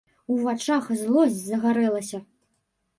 У вачах злосць загарэлася.